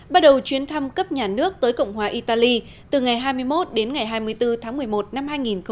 bắt đầu chuyến thăm cấp nhà nước tới cộng hòa italy từ ngày hai mươi một đến ngày hai mươi bốn tháng một mươi một năm hai nghìn một mươi chín